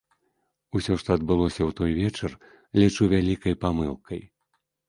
Усё, што адбылося ў той вечар, лічу вялікай памылкай.